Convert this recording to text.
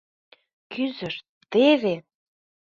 — Кӱзышт — теве!